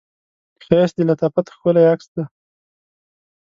ښایست د لطافت ښکلی عکس دی